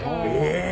え。